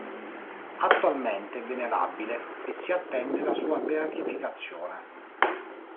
Attualmente è venerabile e si attende la sua beatificazione.